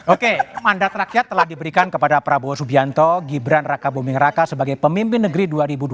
oke mandat rakyat telah diberikan kepada prabowo subianto gibran raka buming raka sebagai pemimpin negeri dua ribu dua puluh